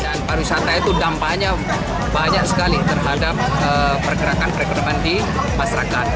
dan pariwisata itu dampaknya banyak sekali terhadap pergerakan perekonomian di masyarakat